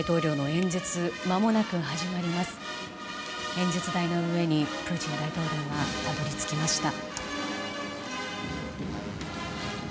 演説台の上にプーチン大統領がたどり着きました。